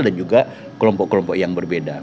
dan juga kelompok kelompok yang berbeda